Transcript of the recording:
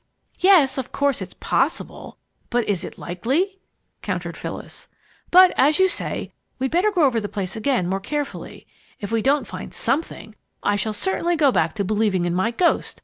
"Yes, of course it's possible, but is it likely?" countered Phyllis. "But as you say, we'd better go over the place again and more carefully. If we don't find something, I shall certainly go back to believing in my 'ghost.'